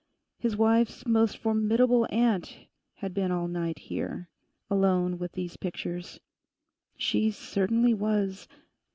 His wife's most formidable aunt had been all night here, alone with these pictures. She certainly was...